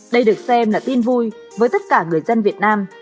đây được xem là tin vui với tất cả người dân việt nam